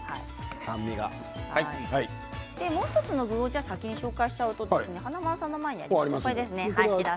もう１つの具を先に紹介すると華丸さんの前にありますね。